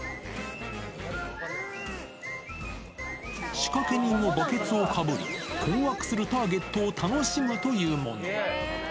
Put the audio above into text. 仕掛け人もバケツをかぶり、困惑するターゲットを楽しむというもの。